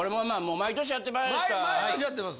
毎年やってます。